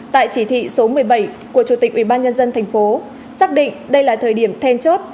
tại chỉ thị số một mươi bảy của chủ tịch ubnd tp xác định đây là thời điểm then chốt